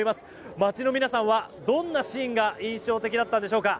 街の皆さんはどんなシーンが印象的だったんでしょうか。